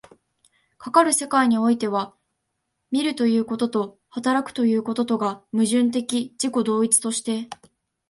かかる世界においては、見るということと働くということとが矛盾的自己同一として、